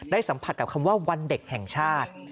สัมผัสกับคำว่าวันเด็กแห่งชาติ